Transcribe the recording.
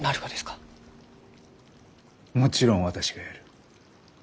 もちろん私がやる。